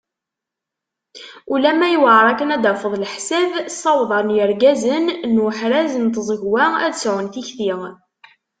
Ulama yewɛer akken ad tafeḍ leḥsab, ssawaḍen yirgazen n uḥraz n tẓegwa ad sɛun tikti.